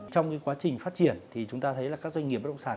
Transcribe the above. trong quá trình phát triển chúng ta thấy các doanh nghiệp bất động sản